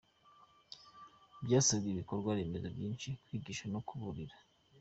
Byasabye ibikorwa remezo byinshi, kwigisha, no kuburira.